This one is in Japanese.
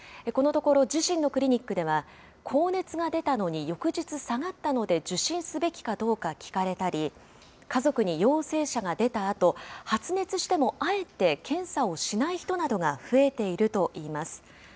このところ、自身のクリニックでは、高熱が出たのに翌日下がったので受診すべきかどうか聞かれたり、家族に陽性者が出たあと、発熱してもあえて検査をしない人などが増えているといいます。